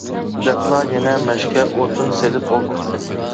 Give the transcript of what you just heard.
دەپلا يەنە مەشكە ئوتۇن سېلىپ ئولتۇردى.